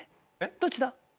どっちだ？え？